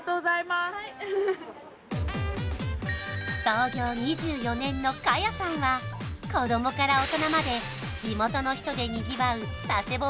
はいのｋａｙａさんは子どもから大人まで地元の人でにぎわう佐世保